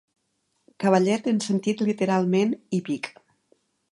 Cavallet en sentit literalment hípic.